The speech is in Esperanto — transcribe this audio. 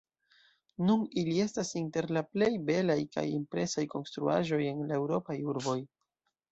Nun ili estas inter la plej belaj kaj impresaj konstruaĵoj en la Eŭropaj urboj.